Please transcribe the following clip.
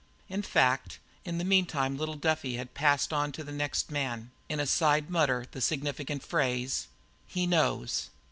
In fact, in the meantime little Duffy had passed on to the next man, in a side mutter, the significant phrase: "He knows!"